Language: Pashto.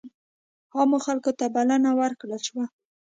عامو خلکو ته بلنه ورکړل شوه.